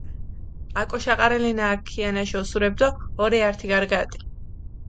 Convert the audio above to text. აკოშაყარელენა აქ ქიანაში ოსურეფი დო ორე ართი გარგატი.